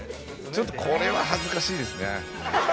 ちょっとこれは恥ずかしいですね。